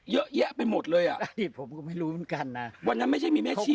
เยอะแยะไปหมดเลยอ่ะนี่ผมก็ไม่รู้เหมือนกันนะวันนั้นไม่ใช่มีแม่ชี่